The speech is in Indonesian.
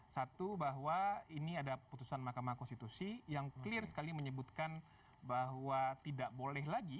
satu bahwa ini ada putusan mahkamah konstitusi yang clear sekali menyebutkan bahwa tidak boleh lagi